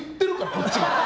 こっちが。